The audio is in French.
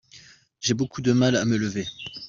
J'ai beaucoup de mal à me lever.